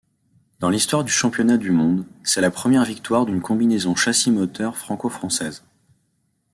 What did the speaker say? Dans l'histoire du championnat du monde, c'est la première victoire d'une combinaison châssis-moteur franco-française.